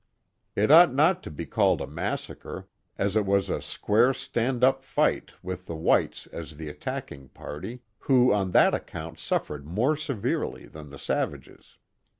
It ought not to be called a massacre, as it was a square stand up fight with the whites as the attacking party, who on that account suffered more severely than the savages.